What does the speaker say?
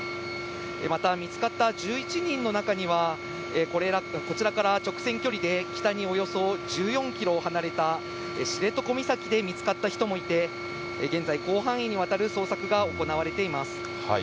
また見つかった１１人の中には、こちらから直線距離で北におよそ１４キロ離れた知床岬で見つかった人もいて、現在、広範囲にわたる捜索が行われています。